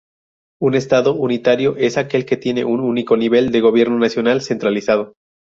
Un Estado unitario es aquel que tiene un único nivel de gobierno nacional centralizado.